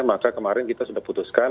maka kemarin kita sudah putuskan